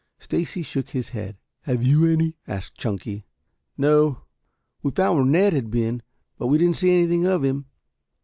Stacy shook his head. "Have you any?" asked Chunky. "No. We found where Ned had been, but we didn't see anything of him."